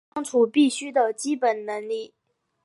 是相处必须的基本能力